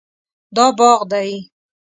دا باغ دی